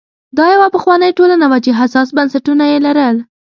دا یوه پخوانۍ ټولنه وه چې حساس بنسټونه یې لرل